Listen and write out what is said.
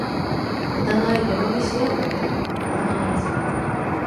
おたがいバカにしあうだけで不毛な争い